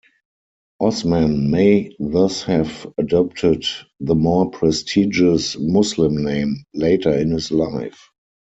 Osman may thus have adopted the more prestigious Muslim name later in his life.